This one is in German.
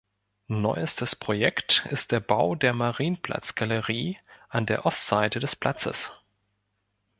Neuestes Projekt ist der Bau der Marienplatz-Galerie an der Ostseite des Platzes.